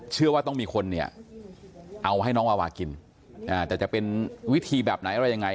เชื่อว่าต้องมีคนเนี่ยเอาให้น้องวาวากินแต่จะเป็นวิธีแบบไหนอะไรยังไง